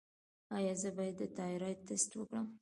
ایا زه باید د تایرايډ ټسټ وکړم؟